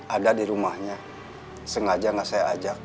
ada di rumahnya sengaja nggak saya ajak